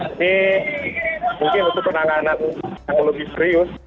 ini mungkin untuk penanganan yang lebih serius